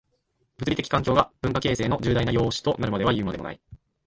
地理的環境が文化形成の重大な因子となるはいうまでもない。